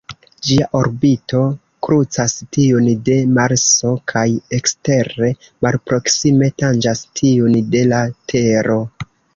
Ĝia orbito krucas tiun de Marso kaj ekstere malproksime tanĝas tiun de la Tero.